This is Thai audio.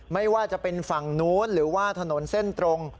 ไม่ว่าจะเป็นฝั่งนู้นหรือว่าถนนเส้นตรง